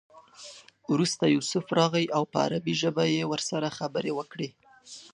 وروسته یوسف راغی او په عبري ژبه یې ورسره خبرې وکړې.